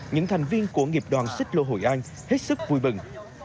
những thành viên của nghiệp đoàn xích lô hội an hết sức vui mừng